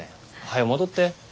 はよ戻って。